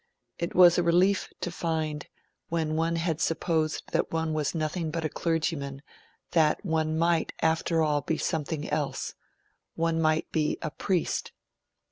It was a relief to find, when one had supposed that one was nothing but a clergyman, that one might, after all, be something else one might be a priest.